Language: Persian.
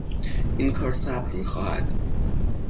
این کار صبر میخواهد.